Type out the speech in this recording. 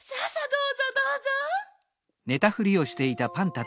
どうぞどうぞ。